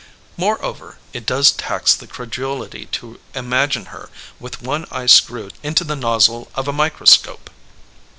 More over it does tax the credulity to imagine her with one eye screwed into the nozzle of a microscope